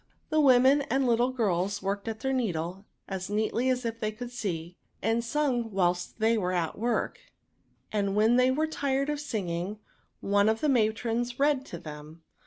The women and little girls worked at their needle as neatly as if they could see, and sung whilst they were at work ; and when they were tired of singing, one of the matrons read to them.